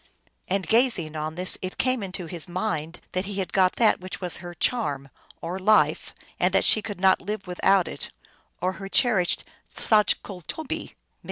And, gazing on this, it came into his mind that he had got that which was her charm, or life, and that she could not live without it, 1 or her cher ished saJcultobee (M.).